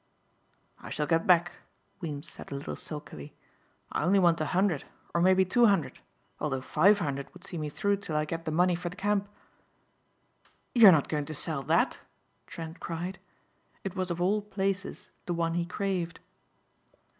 "I shall get back," Weems said a little sulkily. "I only want a hundred or maybe two hundred, although five hundred would see me through till I get the money for the camp." "You are not going to sell that?" Trent cried. It was of all places the one he craved.